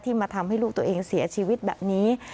มาทำให้ลูกตัวเองเสียชีวิตแบบนี้